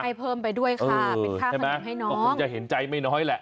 ให้เพิ่มไปด้วยค่ะเป็นค่าขนมให้น้องก็คงจะเห็นใจไม่น้อยแหละ